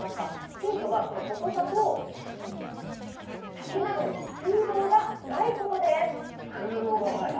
ヒントは、この細さと竹なのに空洞がないことです。